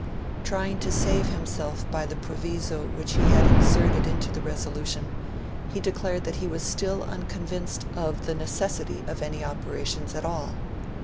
Trying to save himself by the proviso which he had inserted into the resolution, he declared that he was still unconvinced of the necessity of any operations at all.